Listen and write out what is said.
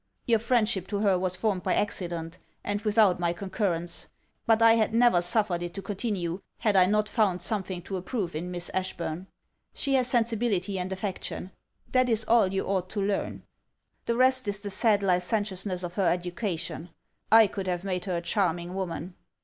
Your friendship to her was formed by accident, and without my concurrence; but I had never suffered it to continue, had I not found something to approve in Miss Ashburn. She has sensibility and affection; that is all you ought to learn. The rest is the sad licentiousness of her education. I could have made her a charming woman.